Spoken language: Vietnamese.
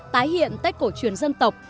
tái hiện tết cổ truyền dân tộc